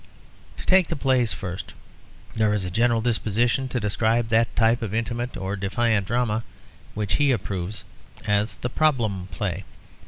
To take the plays first, there is a general disposition to describe that type of intimate or defiant drama which he approves as "the problem play."